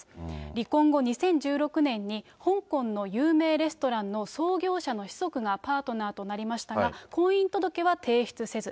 離婚後、２０１６年に、香港の有名レストランの創業者の子息がパートナーとなりましたが、婚姻届は提出せず。